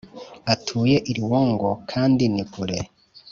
Atuye i Ruongo kandi ni kure